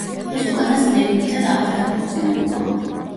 ეს უკანასკნელი მეტად აღარ დაქორწინებულა.